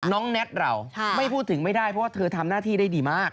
แน็ตเราไม่พูดถึงไม่ได้เพราะว่าเธอทำหน้าที่ได้ดีมาก